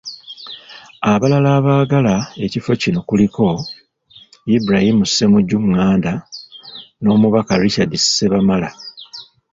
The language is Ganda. Abalala abaagala ekifo kino kuliko; Ibrahim Ssemujju Nganda n'Omubaka Richard Ssebamala.